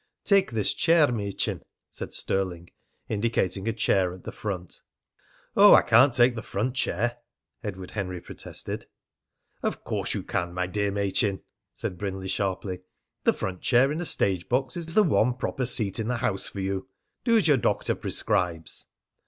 "Take this chair, Machin," said Stirling, indicating a chair at the front. "Oh, I can't take the front chair!" Edward Henry protested. "Of course you can, my dear Machin," said Brindley sharply. "The front chair in a stage box is the one proper seat in the house for you. Do as your doctor prescribes."